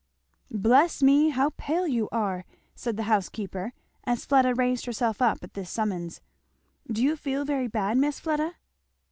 "Bless me, how pale you are!" said the housekeeper, as Fleda raised herself up at this summons, "do you feel very bad, Miss Fleda?"